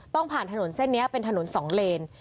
ต้องผ่านถนนเส้นนี้เป็นถนน๒เลน